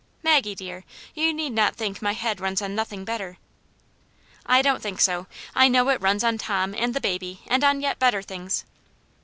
Maggie dear, you need not think my head runs on nothing better." " I don't think so. I know it runs on Tom and the baby and on yet better things."